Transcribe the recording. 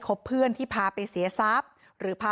ก็เป็นเรื่องของความศรัทธาเป็นการสร้างขวัญและกำลังใจ